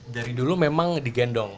dari dulu memang digendong